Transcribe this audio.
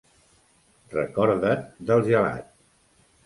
Recorda't del gelat!